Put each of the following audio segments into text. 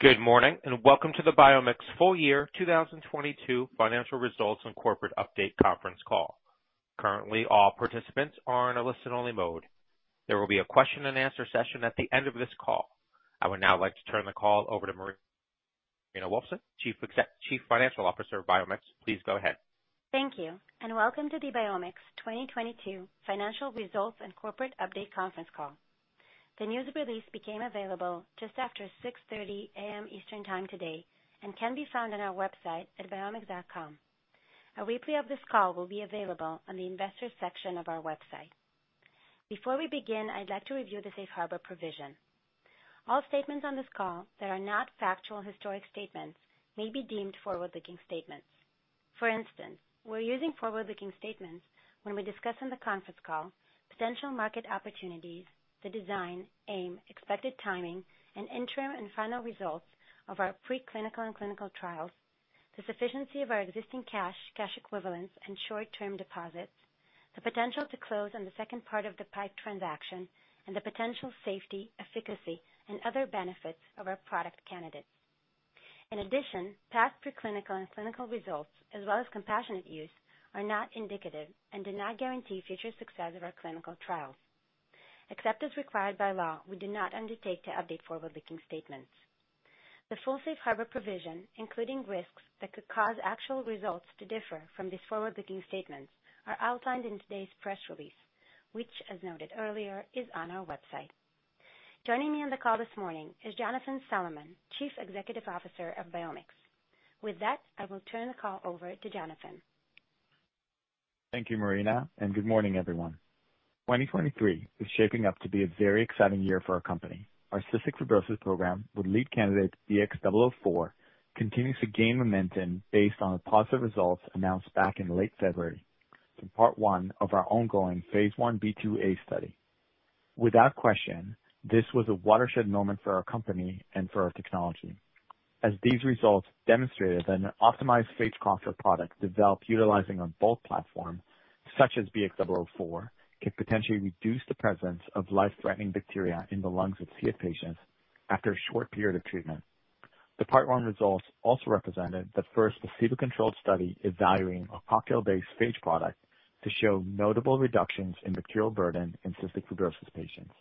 Good morning, welcome to the BiomX Full Year 2022 Financial Results and Corporate Update Conference Call. Currently, all participants are in a listen-only mode. There will be a question-and-answer session at the end of this call. I would now like to turn the call over to Marina Wolfson, Chief Financial Officer of BiomX. Please go ahead. Thank you. Welcome to the BiomX 2022 Financial Results and Corporate Update Conference Call. The news release became available just after 6:30 A.M. Eastern time today and can be found on our website at biomx.com. A replay of this call will be available on the investor section of our website. Before we begin, I'd like to review the Safe Harbor provision. All statements on this call that are not factual historic statements may be deemed forward-looking statements. For instance, we're using forward-looking statements when we discuss in the conference call potential market opportunities, the design, aim, expected timing, and interim and final results of our pre-clinical and clinical trials, the sufficiency of our existing cash equivalents, and short-term deposits, the potential to close on the second part of the PIPE transaction, and the potential safety, efficacy, and other benefits of our product candidates. In addition, past pre-clinical and clinical results, as well as compassionate use, are not indicative and do not guarantee future success of our clinical trials. Except as required by law, we do not undertake to update forward-looking statements. The full Safe Harbor provision, including risks that could cause actual results to differ from these forward-looking statements, are outlined in today's press release, which, as noted earlier, is on our website. Joining me on the call this morning is Jonathan Solomon, Chief Executive Officer of BiomX. I will turn the call over to Jonathan. Thank you, Marina. Good morning, everyone. 2023 is shaping up to be a very exciting year for our company. Our Cystic Fibrosis program, with lead candidate BX004, continues to gain momentum based on the positive results announced back in late February in part one of our ongoing Phase IB/IIA study. Without question, this was a watershed moment for our company and for our technology, as these results demonstrated that an optimized phage cocktail product developed utilizing a BOLT platform such as BX004 can potentially reduce the presence of life-threatening bacteria in the lungs of CF patients after a short period of treatment. The part one results also represented the first placebo-controlled study evaluating a cocktail-based phage product to show notable reductions in bacterial burden in Cystic Fibrosis patients.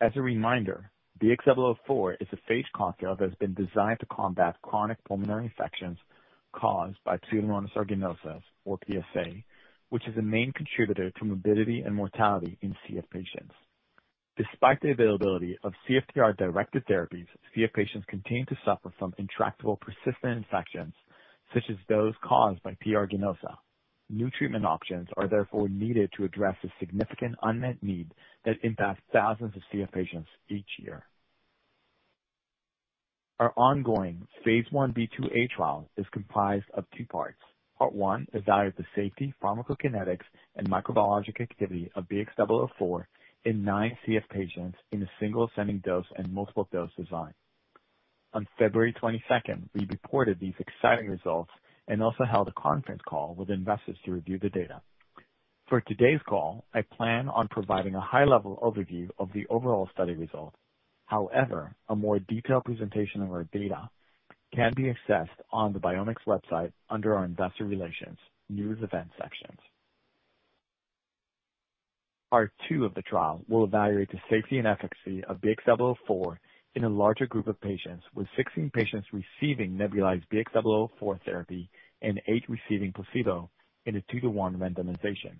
As a reminder, BX004 is a phage cocktail that has been designed to combat chronic pulmonary infections caused by Pseudomonas aeruginosa, or PSA, which is a main contributor to morbidity and mortality in CF patients. Despite the availability of CFTR-directed therapies, CF patients continue to suffer from intractable persistent infections, such as those caused by P. aeruginosa. New treatment options are therefore needed to address the significant unmet need that impacts thousands of CF patients each year. Our ongoing phase IB/IIA trial is comprised of two parts. Part one evaluated the safety, pharmacokinetics, and microbiological activity of BX004 in nine CF patients in a single ascending dose and multiple dose design. On February 22nd, we reported these exciting results and also held a conference call with investors to review the data. For today's call, I plan on providing a high-level overview of the overall study results. However, a more detailed presentation of our data can be accessed on the BiomX website under our Investor Relations, News Event sections. Part two of the trial will evaluate the safety and efficacy of BX004 in a larger group of patients, with 16 patients receiving nebulized BX004 therapy and eight receiving placebo in a 2:1 randomization.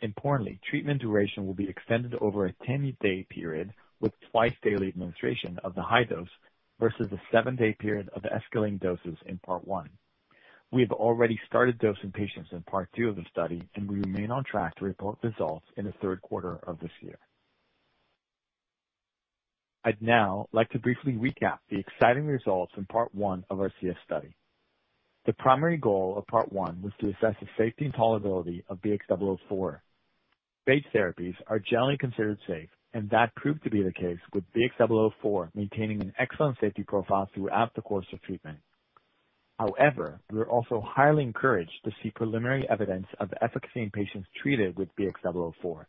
Importantly, treatment duration will be extended over a 10-day period with twice-daily administration of the high dose versus the seven day period of escalating doses in part one. We have already started dosing patients in part two of the study, and we remain on track to report results in the third quarter of this year. I'd now like to briefly recap the exciting results in part one of our CF study. The primary goal of part one was to assess the safety and tolerability of BX004. That proved to be the case with BX004 maintaining an excellent safety profile throughout the course of treatment. However, we were also highly encouraged to see preliminary evidence of efficacy in patients treated with BX004,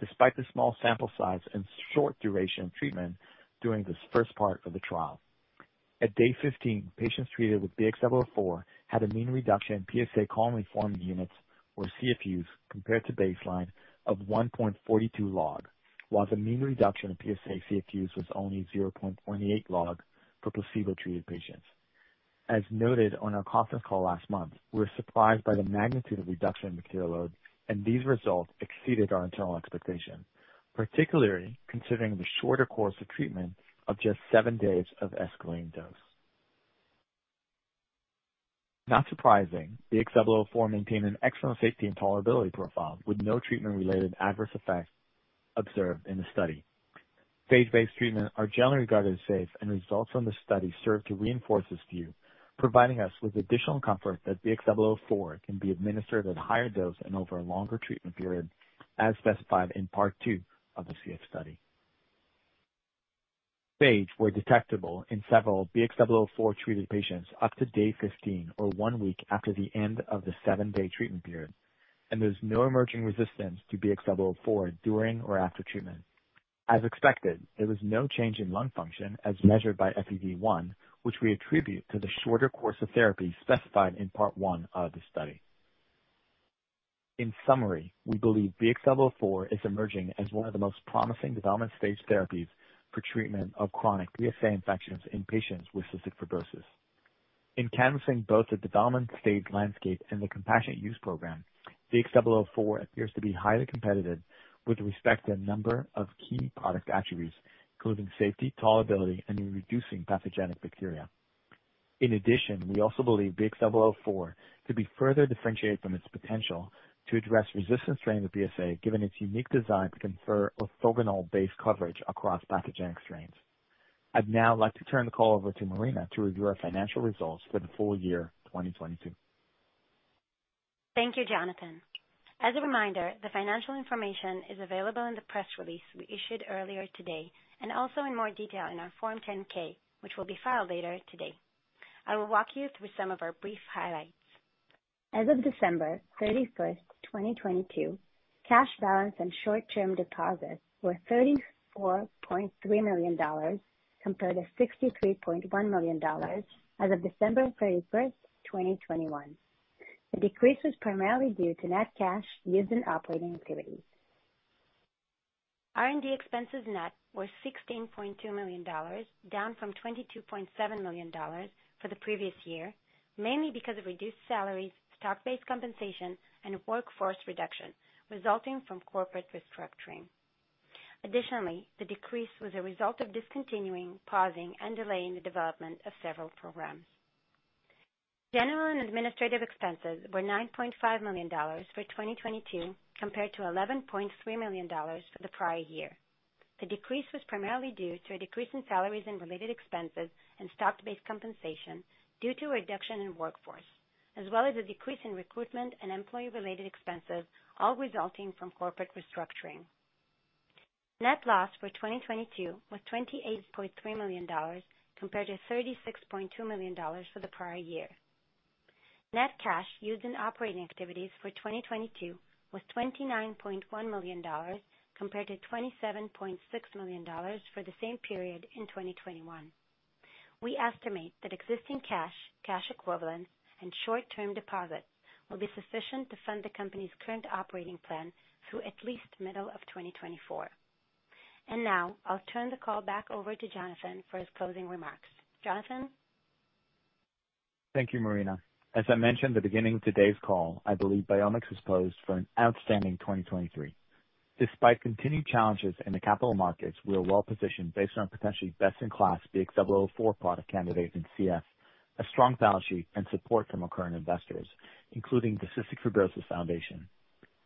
despite the small sample size and short duration of treatment during this first part of the trial. At day 15, patients treated with BX004 had a mean reduction in PSA colony-forming units, or CFUs, compared to baseline of 1.42 log, while the mean reduction in PSA CFUs was only 0.28 log for placebo-treated patients. As noted on our conference call last month, we were surprised by the magnitude of reduction in bacterial load, and these results exceeded our internal expectation, particularly considering the shorter course of treatment of just seven days of escalating dose. Not surprising, BX004 maintained an excellent safety and tolerability profile with no treatment-related adverse effects observed in the study. Phage-based treatment are generally regarded as safe and results from the study serve to reinforce this view, providing us with additional comfort that BX004 can be administered at a higher dose and over a longer treatment period, as specified in part two of the CF study. Phage were detectable in several BX004 treated patients up to day 15 or one week after the end of the seven day treatment period. There's no emerging resistance to BX004 during or after treatment. As expected, there was no change in lung function as measured by FEV1, which we attribute to the shorter course of therapy specified in part one of the study. In summary, we believe BX004 is emerging as one of the most promising development stage therapies for treatment of chronic P. aeruginosa infections in patients with Cystic Fibrosis. In canvassing both the development stage landscape and the Compassionate Use Program, BX004 appears to be highly competitive with respect to a number of key product attributes, including safety, tolerability, and in reducing pathogenic bacteria. In addition, we also believe BX004 to be further differentiated from its potential to address resistant strains of P. aeruginosa, given its unique design to confer orthogonal-based coverage across pathogenic strains. I'd now like to turn the call over to Marina to review our financial results for the full year 2022. Thank you, Jonathan. As a reminder, the financial information is available in the press release we issued earlier today and also in more detail in our Form 10-K, which will be filed later today. I will walk you through some of our brief highlights. As of December 31st, 2022, cash balance and short-term deposits were $34.3 million compared to $63.1 million as of December 31st, 2021. The decrease was primarily due to net cash used in operating activities. R&D expenses net were $16.2 million, down from $22.7 million for the previous year, mainly because of reduced salaries, stock-based compensation, and workforce reduction resulting from corporate restructuring. Additionally, the decrease was a result of discontinuing, pausing, and delaying the development of several programs. General and administrative expenses were $9.5 million for 2022 compared to $11.3 million for the prior year. The decrease was primarily due to a decrease in salaries and related expenses and stock-based compensation due to a reduction in workforce, as well as a decrease in recruitment and employee-related expenses, all resulting from corporate restructuring. Net loss for 2022 was $28.3 million compared to $36.2 million for the prior year. Net cash used in operating activities for 2022 was $29.1 million compared to $27.6 million for the same period in 2021. We estimate that existing cash equivalents, and short-term deposits will be sufficient to fund the company's current operating plan through at least middle of 2024. Now I'll turn the call back over to Jonathan for his closing remarks. Jonathan? Thank you, Marina. As I mentioned at the beginning of today's call, I believe BiomX is poised for an outstanding 2023. Despite continued challenges in the capital markets, we are well positioned based on potentially best-in-class BX004 product candidate in CF, a strong balance sheet, and support from our current investors, including the Cystic Fibrosis Foundation.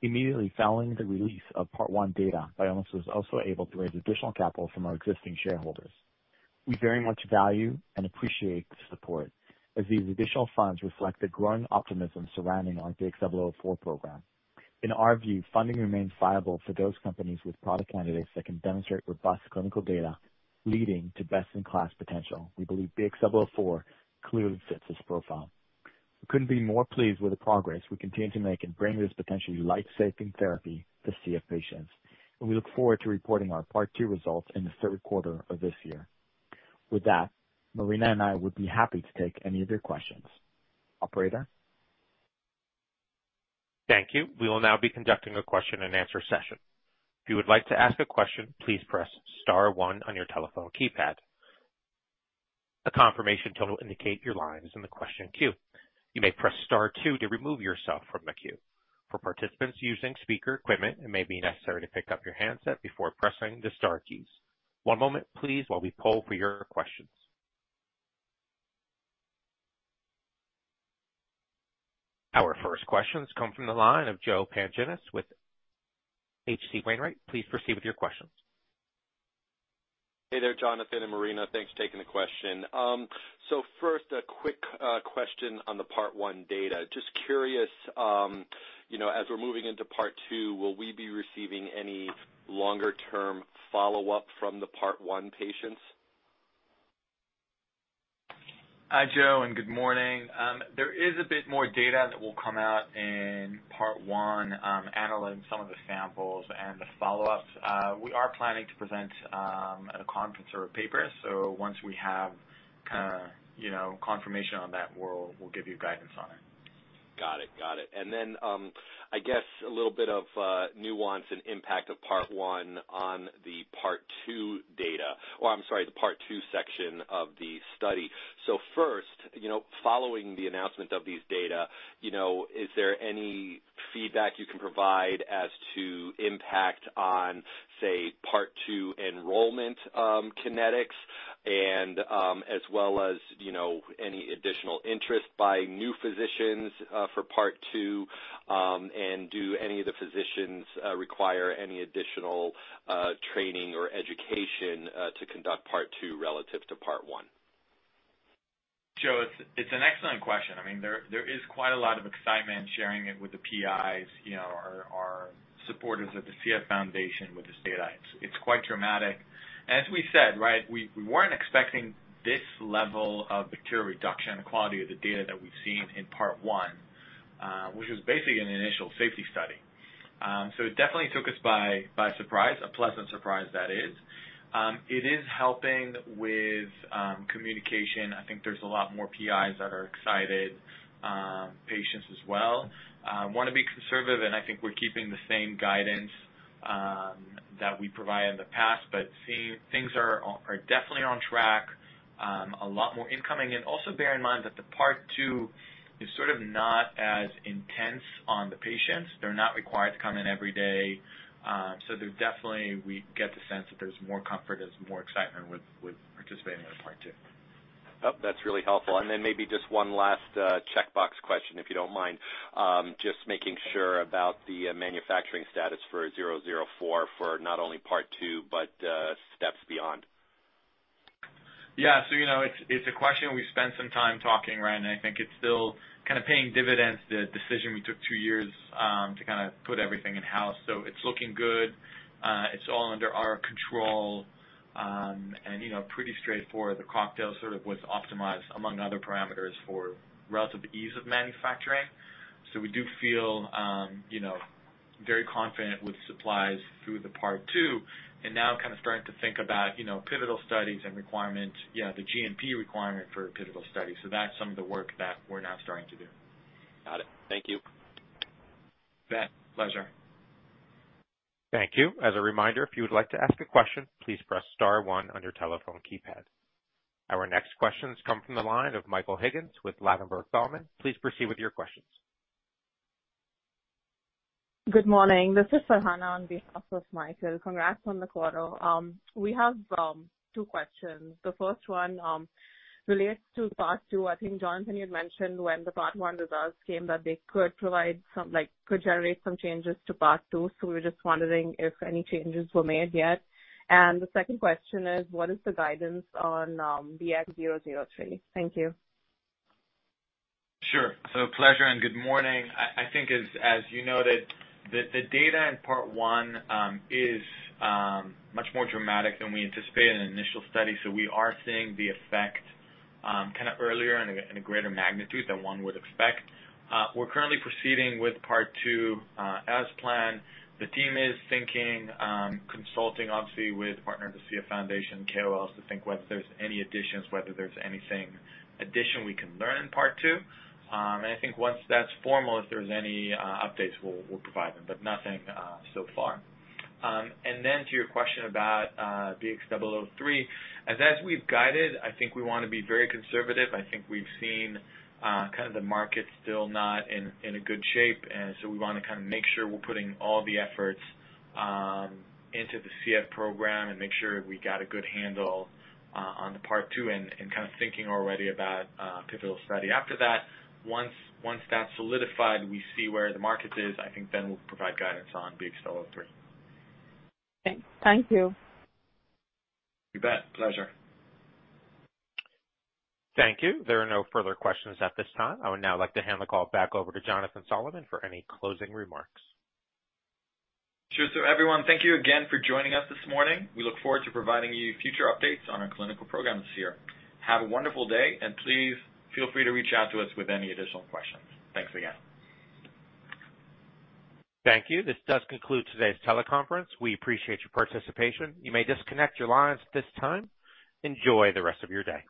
Immediately following the release of part one data, BiomX was also able to raise additional capital from our existing shareholders. We very much value and appreciate the support as these additional funds reflect the growing optimism surrounding our BX004 program. In our view, funding remains viable for those companies with product candidates that can demonstrate robust clinical data leading to best-in-class potential. We believe BX004 clearly fits this profile. We couldn't be more pleased with the progress we continue to make in bringing this potentially life-saving therapy to CF patients. We look forward to reporting our part two results in the third quarter of this year. With that, Marina and I would be happy to take any of your questions. Operator? Thank you. We will now be conducting a question-and-answer session. If you would like to ask a question, please press star one on your telephone keypad. A confirmation tone will indicate your line is in the question queue. You may press star two to remove yourself from the queue. For participants using speaker equipment, it may be necessary to pick up your handset before pressing the star keys. One moment, please, while we poll for your questions. Our first questions come from the line of Joe Pantginis with H.C. Wainwright. Please proceed with your questions. Hey there, Jonathan and Marina. Thanks for taking the question. First, a quick question on the part one data. Just curious, you know, as we're moving into part two, will we be receiving any longer-term follow-up from the part one patients? Hi, Joe, and good morning. There is a bit more data that will come out in part one, analyzing some of the samples and the follow-ups. We are planning to present at a conference or a paper. Once we have kinda, you know, confirmation on that, we'll give you guidance on it. Got it. Got it. Then, I guess a little bit of nuance and impact of part one on the part two data. I'm sorry, the part two section of the study. First, you know, following the announcement of these data, you know, is there any feedback you can provide as to impact on, say, part two enrollment, kinetics and, as well as, you know, any additional interest by new physicians for part two? Do any of the physicians require any additional training or education to conduct part two relative to part one? Joe, it's an excellent question. I mean, there is quite a lot of excitement sharing it with the PIs, you know, our supporters at the CF Foundation with this data. It's quite dramatic. As we said, right, we weren't expecting this level of bacteria reduction, the quality of the data that we've seen in part one, which is basically an initial safety study. It definitely took us by surprise, a pleasant surprise that is. It is helping with communication. I think there's a lot more PIs that are excited, patients as well. Wanna be conservative, and I think we're keeping the same guidance that we provided in the past, but seeing things are definitely on track, a lot more incoming. Also bear in mind that the part two is sort of not as intense on the patients. They're not required to come in every day. We get the sense that there's more comfort, there's more excitement with participating in a part two. Oh, that's really helpful. Then maybe just one last checkbox question, if you don't mind, just making sure about the manufacturing status for BX004 for not only part two, but steps beyond? Yeah. You know, it's a question we spent some time talking, Ryan, and I think it's still kinda paying dividends, the decision we took two years to kinda put everything in-house. It's looking good. It's all under our control, you know, pretty straightforward. The cocktail sort of was optimized among other parameters for relative ease of manufacturing. We do feel, you know, very confident with supplies through the part two and now kind of starting to think about, you know, pivotal studies and requirement, yeah, the GMP requirement for pivotal studies. That's some of the work that we're now starting to do. Got it. Thank you. You bet. Pleasure. Thank you. As a reminder, if you would like to ask a question, please press star one on your telephone keypad. Our next questions come from the line of Michael Higgins with Ladenburg Thalmann. Please proceed with your questions. Good morning. This is Farhana on behalf of Michael. Congrats on the quarter. We have two questions. The first one relates to part two. I think, Jonathan, you had mentioned when the part one results came that they could provide some, like, could generate some changes to part two. We were just wondering if any changes were made yet. The second question is what is the guidance on BX003? Thank you. Sure. Pleasure and good morning. I think as you know that the data in part one is much more dramatic than we anticipated in initial study, so we are seeing the effect kind of earlier and in a greater magnitude than one would expect. We're currently proceeding with part two as planned. The team is thinking, consulting obviously with partners, the CF Foundation, KOLs, to think whether there's any additions, whether there's anything additional we can learn in part two. I think once that's formal, if there's any updates, we'll provide them, but nothing so far. To your question about BX003, as we've guided, I think we wanna be very conservative. I think we've seen, kind of the market still not in a good shape, and so we wanna kinda make sure we're putting all the efforts into the CF program and make sure we got a good handle on the part two and kind of thinking already about pivotal study. After that, once that's solidified, we see where the market is, I think then we'll provide guidance on BX003. Okay. Thank you. You bet. Pleasure. Thank you. There are no further questions at this time. I would now like to hand the call back over to Jonathan Solomon for any closing remarks. Sure. Everyone, thank you again for joining us this morning. We look forward to providing you future updates on our clinical programs here. Have a wonderful day, and please feel free to reach out to us with any additional questions. Thanks again. Thank you. This does conclude today's teleconference. We appreciate your participation. You may disconnect your lines at this time. Enjoy the rest of your day.